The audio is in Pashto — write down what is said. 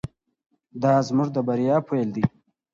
دا زموږ د بریا پیل دی.